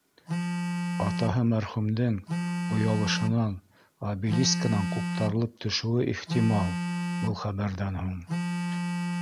Атаһы мәрхүмдең оялышынан обелискынан ҡуптарылып төшөүе ихтимал был хәбәрҙән һуң